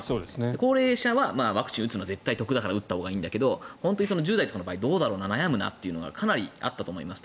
高齢者はワクチンを打つのは絶対得だから打ったほうがいいんだけど本当に１０代とかの場合悩むなというのはかなりあったと思いますと。